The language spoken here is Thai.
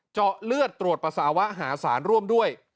เจาะเลือดตรวจปัสสาวะหาสารร่วมด้วย